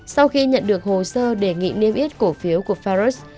sau khi nhận được hồ sơ đề nghị niêm yết cổ phiếu của farus